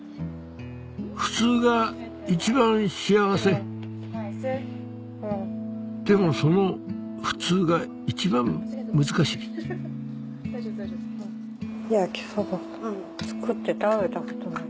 「普通」が一番幸せでもその「普通」が一番難しい焼きそば作って食べたことない。